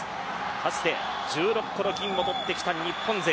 かつて１６個の金を取ってきた日本勢。